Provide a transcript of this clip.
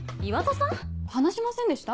話しませんでした？